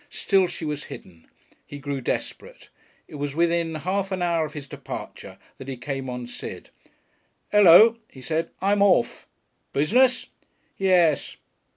Still she was hidden. He grew desperate. It was within half an hour of his departure that he came on Sid. "Hello!" he said; "I'm orf!" "Business?" "Yes."